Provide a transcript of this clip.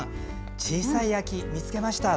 小さい秋見つけました。